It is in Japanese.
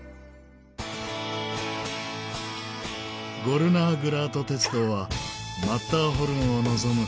ゴルナーグラート鉄道はマッターホルンを望む